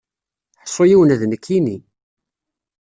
Ḥṣu yiwen ad nekini.